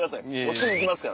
すぐ行きますから。